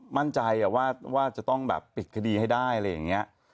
มั่นใจว่าจะต้องแบบปิดคดีให้ได้อะไรอย่างนี้